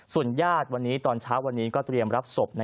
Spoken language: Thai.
ส่วนญาติวันนี้ตอนเช้าวันนี้ก็เตรียมรับศพ